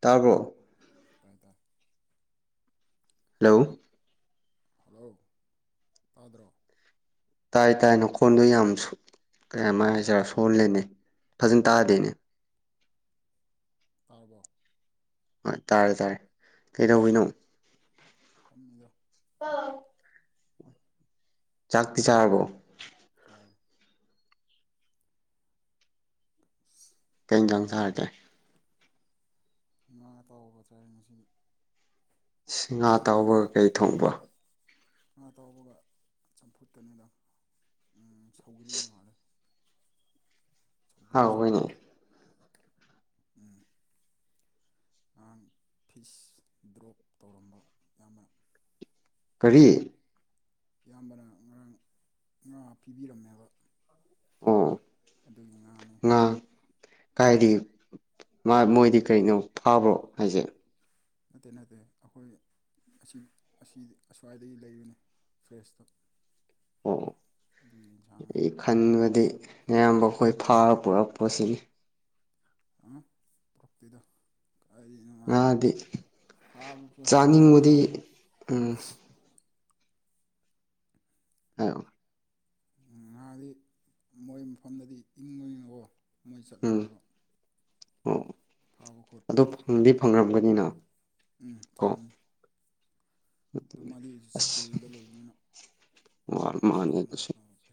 ꯇꯥꯕ꯭ꯔꫭ ꯇꯥꯏ ꯇꯥꯏ ꯂꯣ ꯍꯜꯂꯣ ꯇꯥꯗ꯭ꯔꯣ ꯇꯥꯏ ꯇꯥꯏ ꯅꯈꯣꯟꯗꯣ ꯌꯥꯝ ꯁꫭ ꯀꯌꯥꯃꯥꯏ ꯍꯥꯏꯁꯤꯔ ꯁꯣꯂꯦꯅꯦ ꯐꯖꯅ ꯇꯥꯗꯦꯅꯦ ꯇꯥꯕ‌꯭ꯔꫭ ꯍꫭꯏ ꯇꯥꯔꯦ ꯇꯥꯔꯦ ꯀꯩꯗꯧꯔꯤꯅꯣ ꯐꯝꯃꯤꯗꯣ ꯆꯥꯛꯇꯤ ꯆꯥꯔꯕꯣ ꯆꯥꯔꯦ ꯑꯁ ꯀꯩ ꯏꯟꯖꯥꯡ ꯆꯥꯔꯒꯦ ꯉꯥ ꯑꯇꯥꯎꯕ ꯆꯥꯏ ꯉꯁꯤꯗꯤ ꯁꯤ ꯉꯥ ꯏꯌꯥꯝꯕꯅ ꯉꯥ ꯇꯥꯎꯕꯒ ꯀꯩ ꯊꯣꯡꯕ ꯉꯥ ꯑꯇꯥꯎꯕꯒ ꯆꯝꯐꯨꯠꯀꯅꯤꯗ ꯎꯝ ꯁꯧꯒ꯭ꯔꯤ ꯏꯁ ꯃꯥꯜꯂꯦ ꯁꯧꯒ꯭ꯔꯤ ꯍꯥꯎꯋꯦꯅꯦ ꯆꯝꯐꯨꯠꯀ [unintelligible] ꯎꯝ ꯉꯥꯡ ꯐꯤꯁ ꯗ꯭ꯔꯣꯞ ꯇꯧꯔꯝꯕ ꯌꯥꯝꯕꯅ ꯀꯔꯤ ꯏꯌꯥꯝꯕꯅ ꯉꯔꯥꯡ ꯉꯥ ꯄꯤꯕꯤꯔꯝꯃꯦꯕ ꯑꫭ ꯑꯗꯨꯒꯤ ꯉꯥꯅꯤ ꯉꯥ ꯀꯥꯏꯗꯒꯤ ꯃꯣꯏꯗꯤ ꯀꯩꯅꯣ ꯐꯥꯕ꯭ꯔꯣ ꯍꯥꯏꯖꯦ ꯅꯠꯇꯦ ꯅꯠꯇꯦ ꯑꯈꯣꯏ ꯑꯁꯤ ꯑꯁꯤ ꯑꯁ꯭ꯋꯥꯏꯗꯒꯤ ꯂꯩꯕꯅꯤ ꯐ꯭ꯔꯦꯁꯇ ꯑꯣ ꯑꯩ ꯈꯟꯕꯗꯤ ꯏꯌꯥꯝꯕ ꯈꯣꯏ ꯐꯥꯔ ꯄꫭꯔꯛꯄ꯭ꯔꯁꯤꯅꯤ ꯑꯝ ꯄꯨꯔꯛꯇꯦꯗ ꯀꯥꯏꯗꯩꯅꯣ ꯃꯥ ꯉꯥꯗꯤ ꯐꯥꯕꯁꯨ ꯍꯩꯔ ꯉꯥ ꯆꯥꯅꯤꯡꯕꯗꯤ ꯎꯝ ꯍꯥꯏꯑꫭ ꯉꯥꯗꯤ ꯃꯣꯏ ꯃꯐꯝꯗꯗꯤ ꯏꯪꯕꯅꯤꯅꯀꯣ ꯃꯣꯏ ꯆꯠꯂꯝꯃꯣꯏꯕ ꯑꫭ ꯐꯥꯕ ꯑꯗꫭ ꯈꯣꯠꯄꯗꯣ ꯐꯪꯗꯤ ꯐꯪꯔꯝꯒꯅꯤ ꯅꯤꯅ ꯎꯝ ꯐꯝꯃꯝꯅꯤ ꯑꯗꯣ ꯃꯥꯗꯤ ꯍꯧꯁꯨ ꯁ꯭ꯀꯨꯜꯗ ꯂꯩꯕꯅꯤꯅ ꯑꯔ ꯃꯥꯅꯦꯦ ꯑꯗꯨꯒꯨꯝꯕꯗꯣ ꯇꯁ ꯇꯧꯔꯛꯇꯦ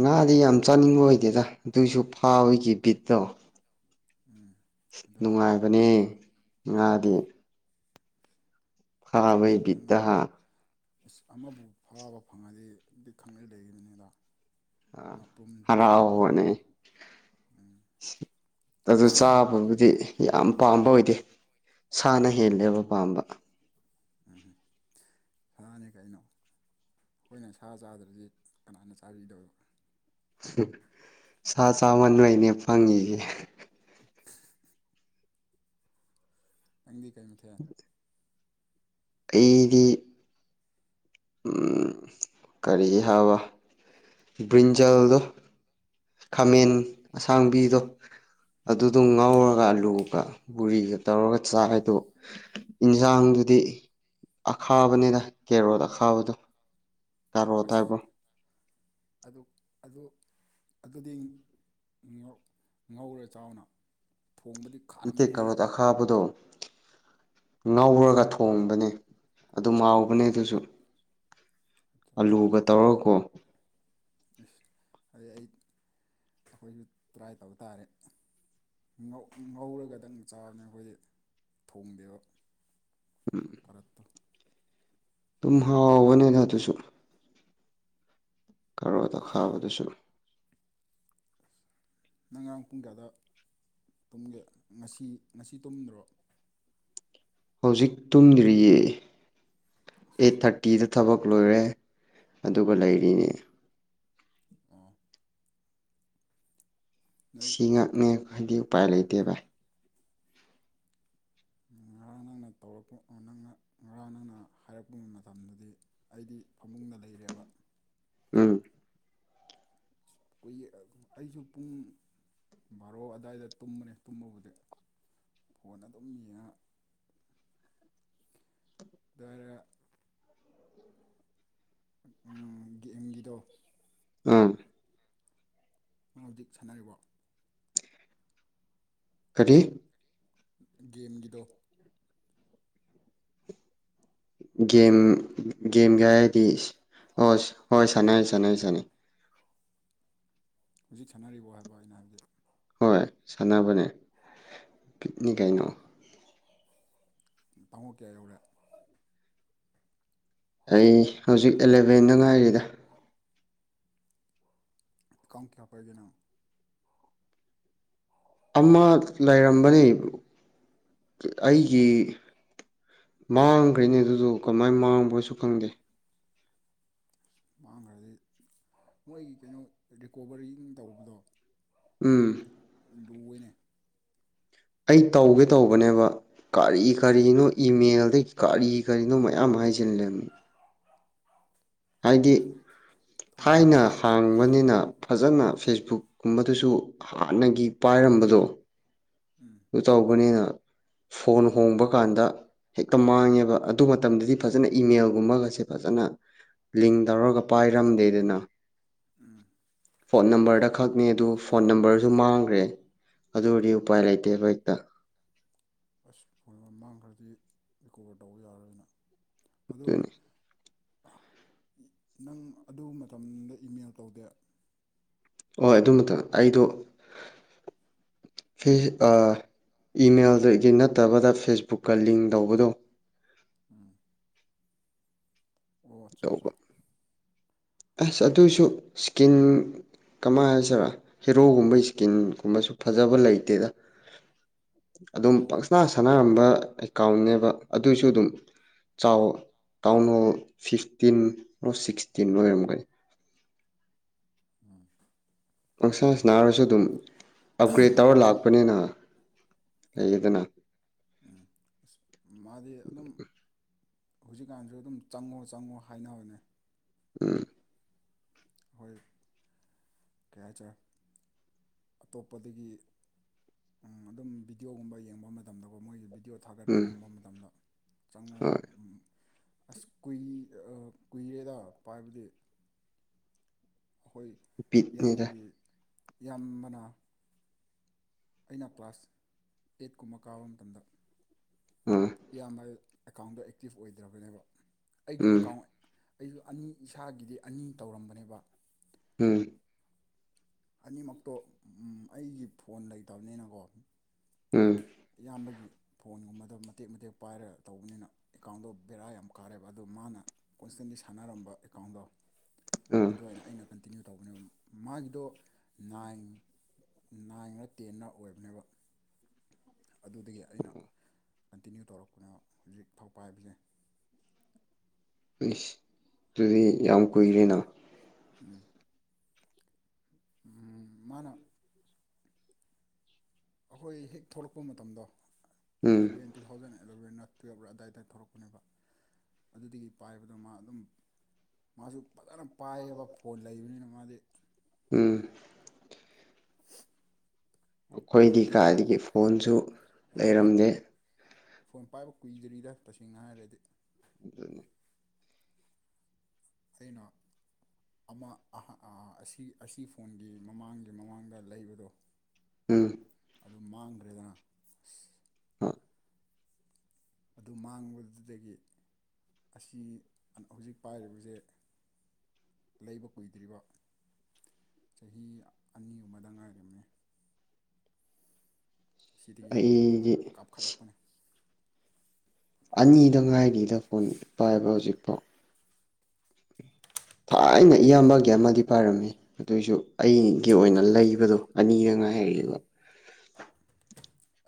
ꯉꯥꯗꯤ ꯌꯥꯝ ꯆꯥꯅꯤꯡꯕ ꯑꯣꯏꯗꯦꯗ ꯑꯗꯨꯁꯨ ꯐꯥꯋꯤꯒꯤ ꯕꯤꯠꯇꯣ ꯎꯝ ꯑꯗꯨꯅꯦ ꯅꯨꯡꯉꯥꯏꯕꯅꯦ ꯗꯤ ꯅꯨꯡꯉꯥꯏꯕꯅꯤꯅ ꯐꯕꯩꯕꯤꯠꯇ ꯎꯝ ꯑꯃꯕꯨ ꯐꯥꯕ ꯐꯪꯉꯗꯤꯦꯗꯤ ꯈꯪꯅ ꯂꯩꯔꯤꯕꯅꯤ ꯑꯗ ꯑ ꯍꯔꯥꯎꯕꯅꯦ ꯎꯝ ꯑꯗꯨ ꯆꯥꯕꯕꯨꯗꯤ ꯌꯥꯝ ꯄꯥꯝꯕ ꯑꯣꯏꯗꯦ ꯁꯥꯅ ꯍꯦꯜꯂꯦꯕ ꯄꯥꯝꯕ ꯎꯝꯝ ꯁꯥꯅꯤ ꯀꯩꯅꯣ ꯑꯩꯈꯣꯏꯅ ꯁꯥ ꯆꯥꯗ꯭ꯔꯗꯤ ꯀꯅꯥꯅ ꯆꯥꯕꯤꯗꯣꯏꯕ ꯁꯥ ꯆꯥꯃꯟꯣꯏꯅꯦ ꯐꯪꯉꯁꯦ ꯍ ꯑ ꯑꯩꯗꯤ ꯀꯔꯤꯒꯤ ꯍꯥꯏꯕ ꯕ꯭ꯔꯤꯟꯖꯜꯗꯣ ꯑꯣ ꯈꯥꯃꯦꯟ ꯑꯁꯥꯡꯕꯤꯗꯣ ꯑꯗꯨꯗꯣ ꯎꯝ ꯎꯝ ꯉꯥꯎꯔꯒ ꯑꯂꯨꯒ ꯕꯣꯔꯤꯒ ꯇꯧꯔꯒ ꯆꯥꯏꯗꯣ ꯏꯟꯖꯥꯡꯗꯨꯗꯤ ꯑꯈꯥꯕꯅꯤꯅ ꯀꯦꯔꯣꯠ ꯑꯥ ꯊꯕꯗ ꯀꯔꯣ ꯊ ꯑꯁ ꯍꯥꯏꯕꯣ ꯑꯗꯨ ꯑꯗꯨꯗꯤ ꯉꯧꯔꯦ ꯆꯥꯎꯅ ꯊꯣꯡꯕꯗꯤ ꯅꯠꯇꯦ ꯈꯥꯔꯝꯅꯤꯍꯦ ꯀꯩꯅꯣꯗꯈꯥꯕꯗꯣ ꯉꯧꯔꯒ ꯊꯣꯡꯕꯅꯤ ꯑꯗꯨ ꯑꯣ ꯑꯣ ꯉꯥꯎꯕꯅꯦ ꯑꯗꯨꯁꯨ ꯏꯁ ꯑꯂꯨꯒ ꯇꯧꯔꯒꯀꯣ ꯑꯗꯨꯗꯤ ꯑꯩ ꯑꯩꯈꯣꯏꯁꯨ ꯇ꯭ꯔꯥꯏ ꯇꯧꯕ ꯇꯥꯔꯦ ꯉꯧꯔꯒꯗꯪ ꯆꯥꯎꯅ ꯑꯩꯈꯣꯏ ꯊꯣꯡꯗꯦꯕ ꯐꯔꯛꯄꯨ ꯇꯨꯝꯍꯥꯎ ꯋꯥꯅꯦ ꯥ ꯇꯨꯁꯨ ꯀꯔꯣꯗꯈꯥꯕꯗꯨꯁꯨ ꯅꯪꯔꯥꯡ ꯄꯨꯡ ꯀꯌꯥꯗ ꯇꯨꯝꯒꯦ ꯉꯁꯤ ꯉꯁꯤ ꯇꯨꯝꯗ꯭ꯔꯣ ꯍꯧꯖꯤꯛ ꯇꯨꯝꯗ꯭ꯔꯤꯌꯦ ꯑꯩꯠ ꯊꯥꯔꯇꯤꯗ ꯊꯕꯛ ꯂꯣꯏꯔꯦ ꯑꯗꯨꯒ ꯂꯩꯔꯤꯅꯦ ꯑꯣ ꯅꯣꯏ ꯁꯤ ꯉꯥꯛꯅꯦ ꯍꯥꯏꯗꯤ ꯎꯄꯥꯏ ꯂꯩꯇꯦ ꯑꯣꯀꯦ ꯕꯥ ꯉꯔꯥꯡ ꯅꯪꯅ ꯇꯧꯔꯛꯄ ꯅꯪꯅ ꯉꯔꯥꯡ ꯅꯪꯅ ꯍꯥꯏꯔꯛꯄ ꯃꯇꯝꯗꯨꯗꯤ ꯑꯩꯗꯤ ꯐꯃꯨꯡꯗ ꯂꯩꯔꯦꯕ ꯎꯝ ꯀꯨꯏꯒꯤ ꯑꯩꯁꯨ ꯄꯨꯡ ꯕꯥꯔꯣ ꯑꯗꯨꯋꯥꯏꯗ ꯇꯨꯝꯕꯅꯦ ꯇꯨꯝꯃꯕꯨꯗꯤ ꯐꯣꯟ ꯑꯗꯨꯝ ꯌꯦꯡꯉ ꯋꯥꯔꯥ ꯎ ꯒꯦꯝꯒꯤꯗꯣ ꯑꯥ ꯃꯔ ꯍꯧꯖꯤꯛ ꯁꯥꯟꯅꯔꯤꯕ ꯀꯔꯤ ꯗꯦꯝꯒꯤꯗꯣ ꯒꯦꯝ ꯒꯦꯝꯒ ꯍꯥꯏꯔꯗꯤ ꯏꯁ ꯍꯣꯏ ꯍꯣꯏ ꯁꯥꯟꯅꯩ ꯁꯥꯟꯅꯩ ꯁꯥꯟꯅꯩ ꯍꯧꯖꯤꯛ ꯁꯥꯟꯅꯔꯤꯕꯣ ꯍꯥꯏꯕ ꯑꯩꯅ ꯍꯥꯏꯕꯗꯤ ꯍꯣꯏ ꯁꯥꯟꯅꯕꯅꯦ ꯄꯤꯛꯅꯤ ꯀꯩꯅꯣ ꯇꯥꯃꯣ ꯀꯌꯥ ꯌꯧꯔꯦ ꯑꯩ ꯍꯧꯖꯤꯛ ꯑꯦꯂꯚꯦꯟꯗ ꯉꯥꯏꯔꯤꯗ ꯑꯦꯀꯥꯎꯟꯗ ꯀꯌꯥ ꯄꯥꯏꯗꯣꯏꯅꯣ ꯑꯃ ꯂꯩꯔꯝꯕꯅꯦ ꯑꯩꯒꯤ ꯃꯥꯡꯈ꯭ꯔꯦꯅꯦ ꯑꯗꯨꯗꯣ ꯀꯃꯥꯏꯅ ꯃꯥꯡꯕ꯭ꯔꯣꯁꯨ ꯈꯪꯗꯦ ꯃꯥꯡꯈ꯭ꯔꯗꯤ ꯃꯣꯏꯒꯤ ꯀꯩꯅꯣ ꯔꯤꯀꯣꯕꯔꯤꯡ ꯇꯧꯕꯗꯣ ꯎꯝ ꯂꯨꯑꯦꯅꯦ ꯑꯩ ꯇꯧꯒꯦ ꯇꯧꯕꯅꯦꯕ ꯀꯔꯤ ꯎꯝ ꯀꯔꯤꯅꯣ ꯏꯃꯦꯜꯗꯩꯩ ꯀꯔꯤ ꯀꯔꯤꯅꯣ ꯃꯌꯥꯝ ꯍꯥꯏꯁꯤꯜꯂꯦꯃꯤ ꯍꯥꯏꯗꯤ ꯊꯣꯡ ꯊꯥꯏꯅ ꯍꯥꯡꯕꯤꯈꯣ ꯍꯥꯡꯕꯅꯤꯅ ꯐꯖꯅ ꯐꯦꯁꯕꯨꯛ ꯀꯨꯝꯕꯗꯨꯁꯨ ꯍꯥꯟꯅꯒꯤ ꯄꯥꯏꯔꯝꯕꯗꯣ ꯎꯝ ꯑꯗꯨ ꯇꯧꯕꯅꯤꯅ ꯐꯣꯟ ꯍꯣꯡꯕ ꯀꯥꯟꯗ ꯍꯦꯛꯇ ꯃꯥꯡꯉꯦꯕ ꯑꯗꯨ ꯃꯇꯝꯗꯗꯤ ꯐꯖꯅ ꯏꯃꯦꯜꯒꯨꯝꯕꯒꯁꯦ ꯐꯖꯅ ꯂꯤꯡ ꯇꯧꯔꯒ ꯄꯥꯏꯔꯝꯗꯦꯗꯅ ꯎꯝ ꯐꯣꯟ ꯅꯝꯕꯔꯗ ꯈꯛꯅꯤ ꯑꯗꯨ ꯐꯣꯟ ꯅꯝꯕꯔꯁꯨ ꯃꯥꯡꯈ꯭ꯔꯦ ꯑꯗꯨꯔꯗꯤ ꯎꯄꯥꯏ ꯂꯩꯇꯦ ꯇꯦꯕꯍꯦꯛꯇ ꯑꯁ ꯐꯣꯟ ꯃꯃꯥꯡꯈ꯭ꯔꯗꯤ ꯔꯤꯀꯣꯕꯔ ꯇꯧꯕ ꯌꯥꯔꯣꯏꯅ ꯑꯗꯣ ꯑꯗꯨꯅꯤ ꯅꯪ ꯑꯗꯨ ꯃꯇꯝꯗ ꯏꯃꯦꯜ ꯇꯧꯗꯦ ꯍꯣꯏ ꯑꯗꯨ ꯃꯊꯪ ꯑꯩꯗꯣ ꯏꯃꯦꯜꯗꯒꯤ ꯅꯠꯇꯕꯗ ꯐꯦꯁꯕꯨꯛꯀ ꯂꯤꯡ ꯇꯧꯕꯗꯣ ꯎꯝ ꯑꯣ ꯑꯆꯥꯆꯥ ꯇꯧꯕ ꯑꯁ ꯑꯗꯨꯁꯨ ꯏꯁꯀꯤꯟ ꯀꯃꯥꯏ ꯍꯥꯏꯁꯤꯔ ꯍꯦꯔꯣꯒꯨꯝꯕ ꯏꯁꯀꯤꯟꯒꯨꯝꯕꯁꯨ ꯐꯖꯕ ꯂꯩꯇꯦꯗ ꯑꯗꯨꯝ ꯎꯝ ꯄꯪꯁꯅꯥ ꯁꯥꯟꯅꯔꯝꯕ ꯑꯦꯀꯥꯎꯟꯅꯦꯕ ꯑꯗꯨꯏꯁꯨ ꯑꯗꯨꯝ ꯆꯥꯎ ꯀꯥꯎꯟ ꯍꯣꯜ ꯐꯤꯐꯇꯤꯟ ꯑꯣꯣ ꯁꯤꯛꯁꯇꯤꯟ ꯑꯣꯏꯔꯝꯅꯤ [inaudible] ꯎꯝ ꯑꯪꯁꯥꯁ ꯑꯩ ꯅꯥꯔꯁꯨ ꯑꯗꯨꯝ ꯑꯞꯒ꯭ꯔꯦꯗ ꯇꯧꯔ ꯂꯥꯛ ꯄꯅꯤꯅ ꯑꯩꯒꯤꯗꯤꯅꯦ ꯑ [inaudible] ꯃꯥꯗꯤ ꯑꯗꯨꯝ ꯍꯧꯖꯤꯛꯀꯥꯟꯁꯨ ꯑꯗꯨꯝ ꯆꯪꯉꯣ ꯆꯪꯉꯣ ꯍꯥꯏꯅꯕꯅꯦ ꯎꯝ ꯑꯩꯈꯣꯏ ꯀꯩ ꯍꯥꯏꯇꯥꯔꯦ ꯑꯇꯣꯞꯄꯗꯒꯤ ꯑꯗꯨꯝ ꯚꯤꯗꯤꯑꯣꯒꯨꯝꯕ ꯌꯦꯡꯕ ꯃꯇꯝꯗꯀꯣ ꯃꯣꯏꯒꯤ ꯑꯣ ꯚꯤꯗꯤꯑꯣ ꯎꯝ ꯊꯥꯒꯠꯄꯒꯨꯝꯕ ꯃꯇꯝꯗ ꯆꯪꯉꯣ ꯍꯣꯏ ꯑꯁ ꯀꯨꯏ ꯀꯨꯏꯔꯦꯗ ꯄꯥꯏꯕꯗꯤ ꯑꯩꯈꯣꯏ ꯕꯤꯠꯅꯤꯗ ꯏꯌꯥꯝꯕꯒꯤ ꯏꯌꯥꯝꯕꯅ ꯑꯩꯅ ꯀ꯭ꯂꯥꯁ ꯑꯦꯠ ꯀꯨꯝꯕ ꯀꯥꯕ ꯃꯇꯝꯗ ꯎꯝ ꯌꯥꯝꯃꯩ ꯑꯦꯀꯥꯎꯟꯗꯣ ꯑꯦꯛꯇꯤꯞ ꯑꯣꯏꯗ꯭ꯔꯕꯅꯦꯕ ꯫ ꯑꯩꯒꯤ ꯎꯝ ꯑꯦꯀꯥꯎꯟ ꯑꯩꯁꯨ ꯑꯅꯤ ꯏꯁꯥꯒꯤꯗꯤ ꯑꯅꯤ ꯇꯧꯔꯝꯕꯅꯦꯕ ꯫ ꯎꯝ ꯑꯅꯤꯃꯛꯇꯣ ꯑꯩꯒꯤ ꯐꯣꯟ ꯂꯩꯇꯕꯅꯤꯅꯀꯣ꯫ ꯎꯝ ꯏꯌꯥꯝꯕꯒꯤ ꯐꯣꯟꯒꯨꯝꯕꯗꯣ ꯃꯇꯦꯛ ꯃꯇꯦꯛ ꯄꯥꯏꯔꯒ ꯇꯧꯕꯅꯤꯅ ꯑꯦꯀꯥꯎꯟꯗꯣ ꯕꯦꯔꯥ ꯌꯥꯝ ꯀꯥꯔꯦꯕ ꯑꯗꯣ ꯃꯥꯅ ꯍꯣꯁꯇꯦꯟꯗ ꯁꯥꯟꯅꯔꯝꯕ ꯑꯦꯀꯥꯎꯟꯗꯣ ꯫ ꯎꯝ ꯑꯗꯨ ꯑꯣꯏꯅ ꯑꯩꯅ ꯀꯟꯇꯤꯅ꯭ꯌꯨ ꯇꯧꯕꯅꯦ꯫ ꯃꯥꯒꯤꯗꯣ ꯫ ꯅꯥꯏꯟ ꯅꯥꯏꯟꯂ ꯇꯦꯟꯂ ꯑꯣꯏꯕꯅꯦꯕ꯫ ꯑꯗꯨꯗꯒꯤ ꯑꯩꯅ ꯀꯟꯇꯤꯅ꯭ꯌꯨ ꯇꯧꯔꯛꯄꯅꯥ ꯍꯧꯖꯤꯛ ꯐꯧꯄꯥꯏꯕꯅꯦ꯫ ꯏꯁ ꯑꯗꯨꯗꯤ ꯌꯥꯝ ꯀꯨꯏꯔꯦꯅ ꯫ ꯎꯝ ꯎꯝ ꯃꯥꯅ ꯑꯩꯈꯣꯏ ꯍꯦꯛ ꯊꯣꯛꯂꯛꯄ ꯃꯇꯝꯗꯣ ꯎꯝ ꯑꯦꯂꯚꯦꯟ ꯇꯨ ꯊꯥꯎꯖꯟ ꯑꯦꯂꯚꯦꯟꯂ ꯇꯨꯌꯦꯞꯔ ꯑꯗꯗꯥꯏ ꯇꯧꯔꯛꯄꯅꯦꯕ ꯑꯗꯨꯗꯒꯤ ꯄꯥꯏꯕꯗꯣ ꯃꯥ ꯑꯗꯨꯝ ꯃꯥꯁꯨ ꯫ ꯐꯖꯅ ꯄꯥꯏꯌꯦꯕ ꯐꯣꯟ ꯂꯩꯕꯅꯤꯅ ꯃꯥꯗꯤ ꯫ ꯎꯝ ꯑꯩꯈꯣꯏꯗꯤ ꯍꯧꯖꯤꯛꯇꯤ ꯀꯥꯏꯗꯒꯤ ꯐꯣꯟꯁꯨ ꯑꯗꯨꯅꯤ ꯂꯩꯔꯝꯗꯦ꯫ ꯐꯣꯟ ꯄꯥꯏꯕ ꯀꯨꯏꯗ꯭ꯔꯤꯗ ꯇꯁꯦꯡꯅ ꯍꯥꯏꯔꯗꯤ꯫ ꯗꯅꯤ ꯑꯩꯅ ꯑꯃ ꯑꯁꯤ ꯑꯁꯤ ꯐꯣꯟꯒꯤ ꯃꯃꯥꯡꯒꯤ ꯃꯃꯥꯡꯗ ꯂꯩꯕꯗꯣ꯫ ꯎꯝ ꯑꯗꯨ ꯃꯥꯡꯈ꯭ꯔꯦꯅ ꯑꯁ ꯑ ꯑꯗꯨ ꯃꯥꯡꯕꯗꯨꯗꯒꯤ ꯑꯁꯤ ꯍꯧꯖꯤꯛ ꯄꯥꯏꯔꯤꯕꯁꯦ ꯂꯩꯕ ꯀꯨꯏꯗ꯭ꯔꯤꯕ ꯆꯍꯤ ꯑꯅꯤꯒꯨꯝꯗꯪ ꯉꯥꯔꯤꯅꯤ꯫ ꯁꯤꯗꯒꯤ ꯑꯃꯨꯛ ꯑꯩꯗꯤ ꯀꯥꯞꯈꯠꯂꯛꯄꯅꯤ꯫ ꯑꯅꯤꯗ ꯉꯥꯏꯔꯤꯗ ꯐꯣꯟ ꯄꯥꯏꯕ ꯍꯧꯖꯤꯛꯐꯥꯎ꯫ ꯊꯥꯏꯅ ꯏꯌꯥꯝꯕꯒꯤ ꯑꯃꯗꯤ ꯄꯥꯏꯔꯝꯃꯤ ꯑꯗꯨꯑꯣꯏꯁꯨ ꯑꯩꯒꯤ ꯑꯣꯏꯅ ꯂꯩꯕꯗꯣ ꯑꯅꯤꯗ ꯉꯥꯔꯤꯕ ꯫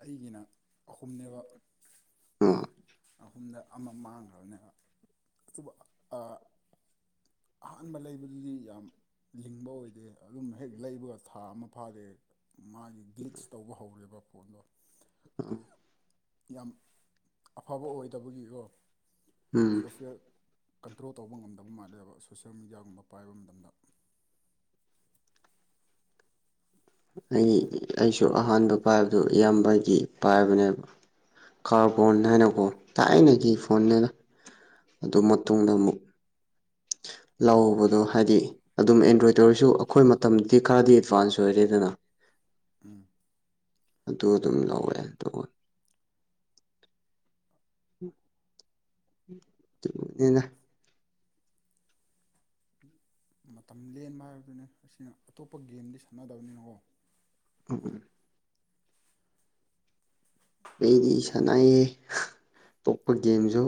ꯑꯩꯒꯤꯅ ꯑꯍꯨꯝꯅꯦꯕ꯫ ꯑꯥ ꯑꯍꯨꯝꯗ ꯑꯃ ꯃꯥꯡꯈ꯭ꯔꯕꯅꯦꯕ ꯑꯥ ꯑꯍꯥꯟꯕ ꯂꯩꯕꯗꯨꯗꯤ ꯌꯥꯝ ꯂꯤꯡꯕ ꯑꯣꯏꯗꯦ ꯑꯗꯨꯝ ꯍꯦꯛ ꯂꯩꯕꯒ ꯊꯥ ꯑꯃ ꯐꯥꯗꯦ ꯃꯥꯒꯤ ꯒ꯭ꯂꯤꯠꯆ ꯇꯧꯕ ꯍꯧꯔꯦꯕ ꯐꯣꯟꯗꯣ꯫ ꯑ ꯌꯥꯝ ꯑꯐꯕ ꯑꯣꯏꯗꯕꯒꯤꯀꯣ ꯎꯝ ꯁꯣꯐꯋꯦꯔ꯫ ꯀꯟꯇ꯭ꯔꯣꯜ ꯇꯧꯕ ꯉꯝꯗꯕ ꯃꯥꯜꯂꯦꯕ ꯁꯣꯁꯦꯜ ꯃꯦꯗꯤꯌꯥꯒꯨꯝꯕ ꯄꯥꯏꯕ ꯃꯇꯝꯗ ꯑꯩ ꯑꯩꯁꯨ ꯑꯍꯥꯟꯕ ꯄꯥꯏꯕꯗꯨ ꯏꯌꯥꯝꯕꯒꯤ ꯄꯥꯏꯕꯅꯦꯕ ꯀꯥꯔꯕꯣꯟ ꯍꯥꯏꯅꯀꯣ ꯊꯥꯏꯅꯒꯤ ꯐꯣꯟꯅꯦꯕ ꯑꯗꯨ ꯃꯇꯨꯡꯗ ꯑꯃꯨꯛ ꯫ ꯂꯧꯕꯗꯣ ꯍꯥꯏꯗꯤ ꯑꯗꯨꯝ ꯑꯦꯟꯗ꯭ꯔꯣꯏꯗꯔꯁꯨ ꯑꯩꯈꯣꯏ ꯃꯇꯝꯗꯤ ꯈꯔꯗꯤ ꯑꯦꯠꯚꯥꯟꯁ ꯑꯣꯏꯔꯦꯗꯅ ꯎꯝ ꯑꯗꯨ ꯑꯗꯨꯝ ꯂꯧꯋꯦ ꯑꯗꯨꯒ [unintelligible] ꯃꯇꯝ ꯂꯦꯟꯕ ꯍꯥꯏꯕꯗꯨꯅꯤ ꯑꯁꯤꯅ ꯑꯇꯣꯞꯄ ꯒꯦꯝꯗꯤ ꯁꯥꯟꯅꯗꯕꯅꯤꯅꯀꯣ ꯎ ꯑꯩꯗꯤ ꯁꯥꯟꯅꯥꯏꯌꯦꯦ ꯄꯣꯛꯄ ꯒꯦꯝꯁꯨ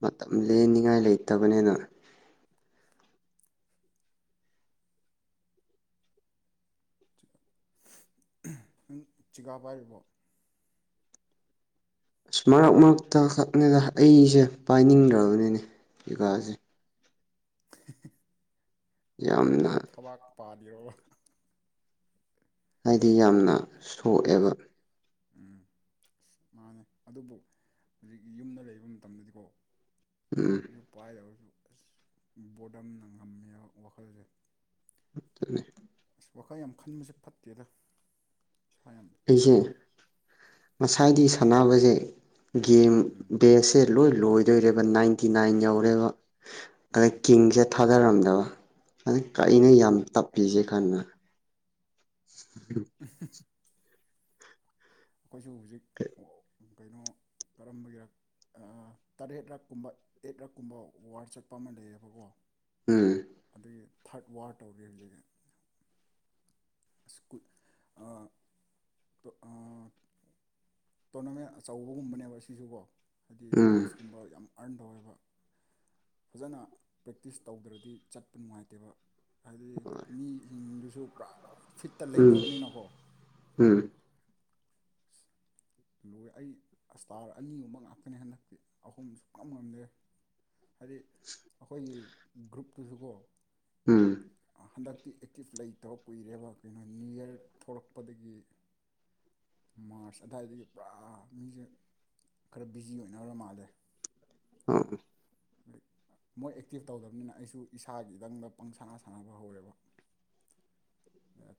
ꯃꯇꯝ ꯂꯦꯟꯅꯤꯡꯉꯥꯏ ꯂꯩꯇꯕꯅꯦꯅ ꯅꯪ ꯆꯤꯒꯥꯥ ꯄꯥꯏꯔꯤꯕꯣ ꯑꯁ ꯃꯔꯛ ꯃꯔꯛꯇ ꯈꯛꯅꯗ ꯑꯩꯁꯦ ꯄꯥꯏꯅꯤꯡꯈ꯭ꯔꯕꯅꯤꯅꯦ ꯌꯣꯒꯥꯁꯦ ꯌꯥꯝꯅ ꯑꯣꯈꯨꯕ ꯊꯕꯥꯛ ꯄꯥꯗ ꯌꯔꯣ ꯍꯥꯏꯗꯤ ꯌꯥꯝꯅ ꯁꯣꯛꯑꯦꯕ ꯎꯝ ꯑꯁ ꯃꯥꯅꯦ ꯑꯗꯨꯕꯨ ꯍꯧꯖꯤꯛꯀꯤ ꯌꯨꯝꯗ ꯂꯩꯕ ꯃꯇꯝꯗꯗꯤꯀꯣ ꯎꯝ ꯀꯁꯨ ꯄꯥꯏꯗꯧꯁꯨ ꯑ ꯕꯣꯗꯝꯅ ꯉꯝꯃꯤꯕ ꯋꯥꯈꯜꯁꯦ ꯠꯇꯃꯦ ꯋꯥꯈꯥꯏ ꯌꯥꯝ ꯈꯟꯕꯁꯦ ꯐꯠꯇꯦꯗ ꯏꯁ ꯌꯥꯝꯇꯤ ꯁꯣꯏ ꯉꯁꯥꯏꯒꯤ ꯁꯥꯟꯅꯕꯁꯦ ꯒꯦꯝ ꯎꯝ ꯁꯦ ꯂꯣꯏ ꯂꯣꯏꯗꯣꯏꯔꯦꯕ ꯅꯥꯏꯟꯇꯤ ꯅꯥꯏꯟ ꯌꯧꯔꯦꯕ ꯑ ꯎꯝ ꯀꯡꯁꯠ ꯊꯥꯗꯔꯝꯗꯕ ꯑꯗꯨ ꯀꯩꯅ ꯌꯥꯝ ꯇꯞꯄꯤꯁꯦ ꯀꯥꯟꯅ [unintelligible] ꯑꯩꯈꯣꯏꯁꯨ ꯍꯧꯖꯤꯛ ꯀꯩꯅꯣ ꯀꯔꯝꯕꯒꯤ ꯇꯔꯦꯠꯔꯛ ꯀꯨꯝꯕ ꯑꯦꯠ ꯔꯛ ꯀꯨꯝꯕ ꯋꯥꯔ ꯆꯠꯄ ꯑꯃ ꯂꯩꯌꯦꯕꯀꯣ ꯎꯝ ꯑꯗꯨ ꯊꯥꯔꯠ ꯋꯥꯔ ꯇꯧꯔꯤ ꯍꯧꯖꯤꯛꯗ ꯁ꯭ꯀꯨꯜꯣ ꯇꯅ ꯑꯆꯧꯕꯒꯨꯝꯕꯅꯦꯕ ꯁꯤꯁꯨꯕꯣ ꯍꯥꯏꯗꯤ ꯎꯝ ꯕꯦꯖꯀꯨꯝꯕ ꯌꯥꯝ ꯑꯔꯟ ꯇꯧꯋꯦꯕ ꯐꯖꯅ ꯄ꯭ꯔꯦꯛꯇꯤꯁ ꯇꯧꯗ꯭ꯔꯗꯤ ꯆꯠꯄ ꯅꯨꯡꯉꯥꯏꯇꯦꯕ ꯍꯥꯏꯗꯤ ꯃꯤꯁꯤꯡꯗꯨꯁꯨ ꯄꯥ ꯐꯤꯠꯇ ꯎꯝ ꯂꯩꯅꯕꯅꯤꯅꯀꯣ ꯎꯝ ꯂꯣꯏ ꯑꯩ ꯏꯁꯇꯥꯔ ꯑꯅꯤꯒꯨꯝꯕ ꯉꯥꯛꯇꯅꯦ ꯍꯟꯗꯛꯇꯤ ꯑꯍꯨꯝꯁꯨ ꯉꯝ ꯉꯝꯗꯦ ꯍꯥꯏꯗꯤ ꯑꯩꯈꯣꯏꯒꯤ ꯒ꯭ꯔꯨꯞꯇꯨꯁꯨꯀꯣ ꯎꯝ ꯍꯟꯗꯛꯇꯤ ꯑꯦꯆꯤꯞ ꯂꯩꯇ ꯊꯕꯛ ꯀꯨꯏꯔꯦꯕ ꯀꯩꯅꯣ ꯅ꯭ꯌꯨ ꯌꯔ ꯊꯣꯛꯂꯛꯄꯗꯒꯤ ꯃꯥꯔꯁ ꯑꯗꯨꯋꯥꯏꯗꯒꯤ ꯄꯨꯔꯥ ꯃꯤꯁꯦ ꯈꯔ ꯕꯤꯖꯤ ꯑꯣꯏꯅ꯭ꯔ ꯃꯥꯜꯂꯦ ꯑ ꯑꯗꯨ ꯃꯣꯏ ꯑꯦꯛꯇꯤꯞ ꯇꯧꯗꯕꯅꯤꯅ ꯑꯩꯁꯨ ꯏꯁꯥꯒꯤꯗꯪꯗ ꯄꯪ ꯁꯥꯟꯅ ꯁꯥꯟꯅꯕ ꯍꯧꯔꯦꯕ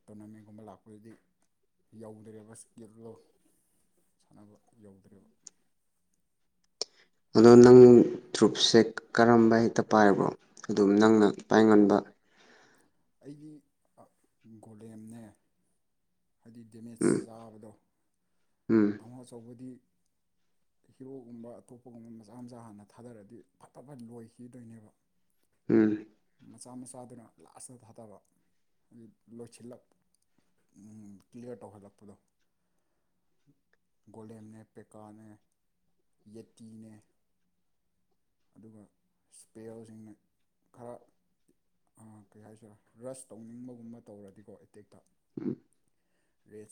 ꯇꯣꯔꯅꯥꯃꯦꯟꯒꯨꯝꯕ ꯂꯥꯛꯄꯗꯨꯗꯤ ꯌꯧꯗ꯭ꯔꯦꯕ ꯌꯦꯠꯂꯣ ꯁꯥꯟꯅꯕ ꯌꯧꯗ꯭ꯔꯕ ꯑꯗꯣ ꯅꯪ ꯇ꯭ꯔꯨꯨꯞꯁꯦ ꯀꯔꯝꯕ ꯍꯦꯛꯇ ꯄꯥꯏꯕ꯭ꯔꯣ ꯑꯗꯨꯝ ꯅꯪꯅ ꯄꯥꯏꯉꯣꯟꯕ ꯑꯩꯒꯤ ꯒꯣꯂꯦꯝꯅꯦ ꯍꯥꯏꯗꯤ ꯗꯦꯃꯦꯖ ꯎꯝ ꯆꯥꯕꯗꯣ ꯎꯝ ꯇꯥꯃꯣ ꯑꯆꯧꯕꯗꯤ ꯍꯤꯔꯣꯒꯨꯝꯕ ꯑꯇꯣꯞꯄꯒꯨꯝꯕ ꯃꯆꯥ ꯃꯆꯥ ꯍꯥꯟꯅ ꯊꯥꯗꯔꯛꯗꯤ ꯐꯠꯇ ꯐ ꯂꯣꯏꯈꯤꯗꯣꯏꯅꯦꯕ ꯎꯝ ꯃꯆꯥ ꯃꯆꯥꯗꯨꯅ ꯂꯥꯁꯇ ꯊꯥꯗꯕ ꯂꯣꯏꯁꯤꯜꯂꯛ ꯀ꯭ꯂꯤꯌꯥꯔ ꯇꯧꯍꯜꯂꯛꯄꯗꯣ ꯒꯣꯂꯦꯝꯅꯦ ꯄꯦꯀꯥꯅꯦ ꯌꯦꯠꯇꯤꯅꯦ ꯑꯗꯨꯒ ꯏꯁꯄꯦꯜꯁꯤꯡꯅ ꯈꯔ ꯀꯩ ꯍꯥꯏꯁꯤꯔꯦ ꯔꯁ ꯇꯧꯅꯤꯡꯕꯒꯨꯝꯕ ꯇꯧꯔꯗꯤꯀꯣ ꯑꯦꯇꯦꯛꯇ ꯎꯝ ꯦ